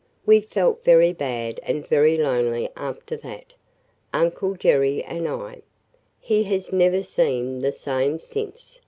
"We felt very bad and very lonely after that – Uncle Jerry and I. He has never seemed the same since.